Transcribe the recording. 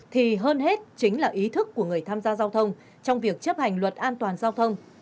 thì hơn hết chính là ý thức của người tham gia giao thông trong việc chấp hành luật an toàn giao thông